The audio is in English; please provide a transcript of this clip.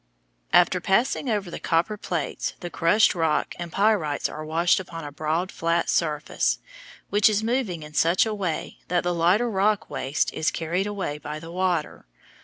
After passing over the copper plates the crushed rock and pyrites are washed upon a broad, flat surface, which is moving in such a way that the lighter rock waste is carried away by the water.